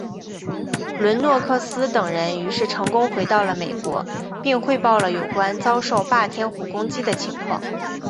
伦诺克斯等人于是成功回到了美国并汇报了有关遭受霸天虎攻击的情况。